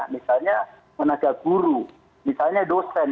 misalnya tenaga guru misalnya dosen